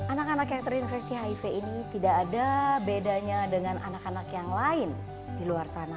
anak anak yang terinfeksi hiv ini tidak ada bedanya dengan anak anak yang lain di luar sana